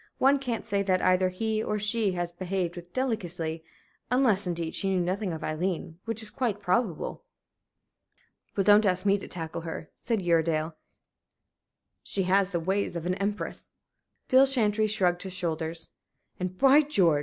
One can't say that either he or she has behaved with delicacy unless, indeed, she knew nothing of Aileen, which is quite probable." "Well, don't ask me to tackle her," said Uredale. "She has the ways of an empress." Bill Chantrey shrugged his shoulders. "And, by George!